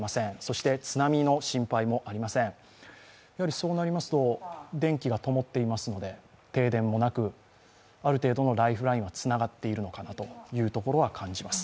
そうなりますと、電気がともっていますので停電もなく、ある程度のライフラインは、つながっているのかなと感じています。